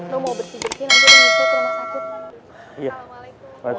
rum mau bersidik nanti dia bisa ke rumah sakit